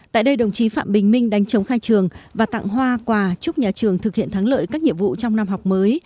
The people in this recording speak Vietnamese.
tại đây đồng chí phạm bình minh đánh chống khai trường và tặng hoa quà chúc nhà trường thực hiện thắng lợi các nhiệm vụ trong năm học mới